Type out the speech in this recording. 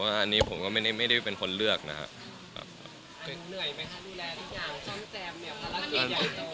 แต่อันนี้ผมก็ไม่ได้เป็นคนเลือกนะครับ